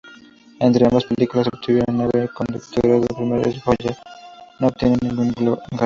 Entre ambas películas obtuvieron nueve candidaturas a los Premios Goya, no obteniendo ningún galardón.